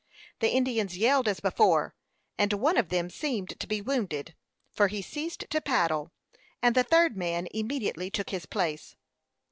The Indians yelled as before, and one of them seemed to be wounded, for he ceased to paddle, and the third man immediately took his place.